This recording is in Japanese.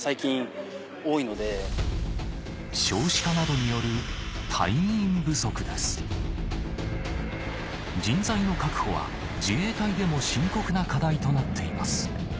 少子化などによる人材の確保は自衛隊でも深刻な課題となっています